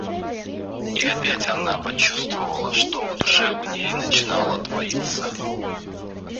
И опять она почувствовала, что в душе у ней начинало двоиться.